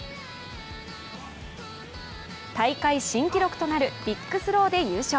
大会新記録となるビッグスローで優勝。